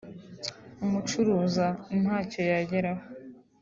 umucuruza ntacyo yageraho